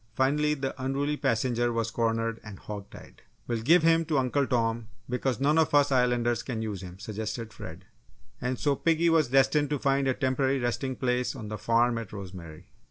Finally, the unruly passenger was cornered and "hog tied." "We'll give him to Uncle Tom, because none of us Islanders can use him," suggested Fred. And so piggy was destined to find a temporary resting place on the farm at Rosemary.